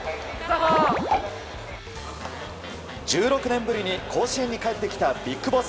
１６年ぶりに甲子園に帰ってきたＢＩＧＢＯＳＳ。